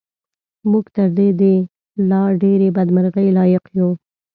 موږ تر دې د لا ډېرې بدمرغۍ لایق یو.